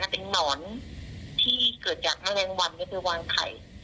เป็นหนอนที่เกิดจากแมลงวันก็คือวางไข่